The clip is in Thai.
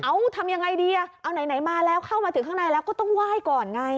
เอาทำยังไงดีอ่ะเอาไหนมาแล้วเข้ามาถึงข้างในแล้วก็ต้องไหว้ก่อนไง